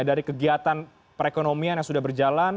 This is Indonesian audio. dari kegiatan perekonomian yang sudah berjalan